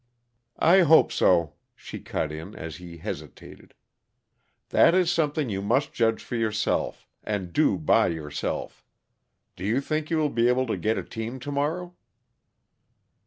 "I hope so," she cut in, as he hesitated, "That is something you must judge for yourself, and do by yourself. Do you think you will be able to get a team tomorrow?"